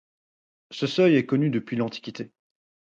Ce seuil est connu depuis l'Antiquité.